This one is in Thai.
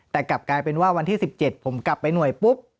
แต่กลับกลายเป็นว่าวันที่๑๗ผมกลับไปหน่วยปุ๊บ